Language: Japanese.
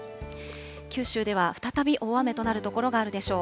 九州では再び大雨となる所があるでしょう。